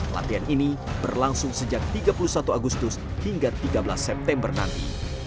latihan ini berlangsung sejak tiga puluh satu agustus hingga tiga belas september nanti